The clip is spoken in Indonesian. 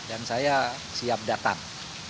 dan saya siap datang